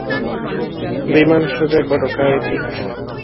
বিমান সোজা করো, কায়োটি।